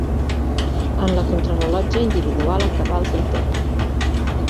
En la contrarellotge individual acabà el vuitè.